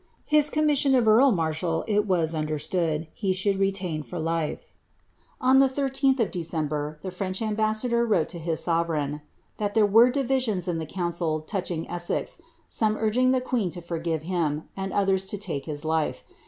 His commission of earl marshal il was understood he shovl retain for life.' On the 13th of December, the French ambassador wrote to his sore reign, '• that there were divisions in the council touching Esses, son; urging the queen to forgive him, and others to take his life.